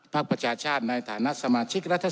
ประชาชาติในฐานะสมาชิกรัฐ